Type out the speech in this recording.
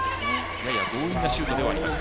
やや強引なシュートではありました。